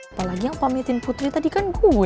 apalagi yang pamitin putri tadi kan gue